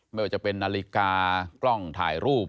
ไม่ว่าจะเป็นนาฬิกากล้องถ่ายรูป